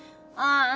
ああ！